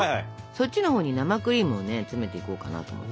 そっちのほうに生クリームをね詰めていこうかなと思って。